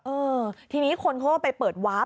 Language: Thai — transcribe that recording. เออทีนี้คนเขาก็ไปเปิดวาร์ฟ